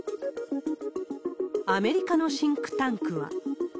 アメリカのシンクタンクは。